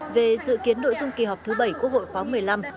về dự kiến nội dung kỳ họp thứ bảy quốc hội khóa một mươi bốn